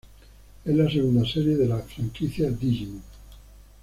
Es la segunda serie de la franquicia Digimon.